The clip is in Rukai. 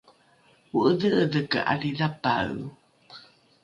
o’edhe’edheke ’adhidhapae